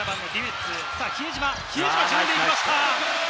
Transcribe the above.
比江島、自分で行きました。